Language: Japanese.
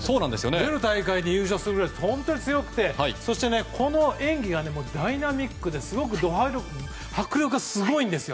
どの大会でも優勝するくらい本当に強くてそして、この演技がダイナミックで迫力がすごいんですよ。